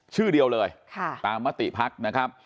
ชื่อเดียวเลยค่ะตามมติพรรคนะครับ